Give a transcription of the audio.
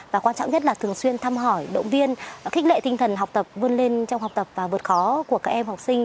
và quan trọng nhất là thường xuyên thăm hỏi động viên khích lệ tinh thần học tập vươn lên trong học tập và vượt khó của các em học sinh